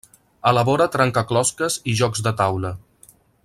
Elabora trencaclosques i jocs de taula.